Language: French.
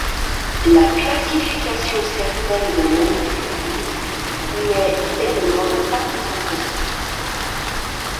La classification certaine d'un individu n'est dès lors pas toujours possible.